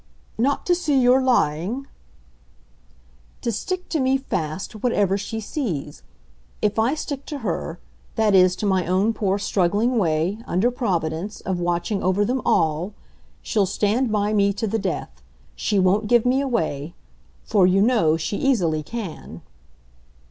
"Not to see you're lying?" "To stick to me fast, whatever she sees. If I stick to her that is to my own poor struggling way, under providence, of watching over them ALL she'll stand by me to the death. She won't give me away. For, you know, she easily can."